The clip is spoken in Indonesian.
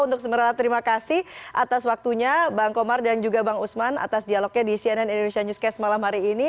untuk sementara terima kasih atas waktunya bang komar dan juga bang usman atas dialognya di cnn indonesia newscast malam hari ini